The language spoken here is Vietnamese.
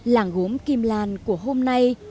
làng gốm kim lan của hôm nay